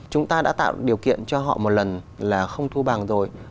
chúng ta đã tạo điều kiện cho họ một lần là không thu bằng rồi